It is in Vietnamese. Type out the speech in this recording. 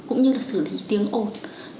cũng như là xử lý tiếng ồn